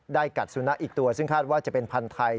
กัดสุนัขอีกตัวซึ่งคาดว่าจะเป็นพันธุ์ไทย